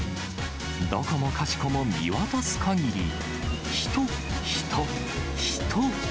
どこもかしこも、見渡すかぎり、人、人、人。